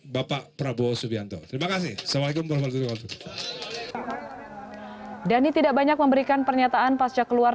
bapak prabowo subianto terima kasih selalu gempar dan tidak banyak memberikan pernyataan pasca keluar